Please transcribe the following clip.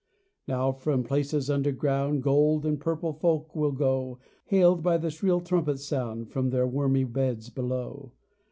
Now from places underground Gold and purple folk will go Haled by the shrill trumpet sound From their wormy beds below.